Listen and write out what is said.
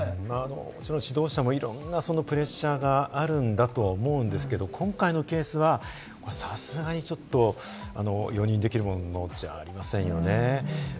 もちろん指導者もいろんなプレッシャーがあるんだとは思うんですけど、今回のケースはさすがにちょっと容認できるものではありませんよね。